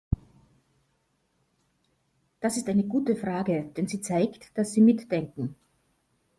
Das ist eine gute Frage, denn sie zeigt, dass Sie mitdenken.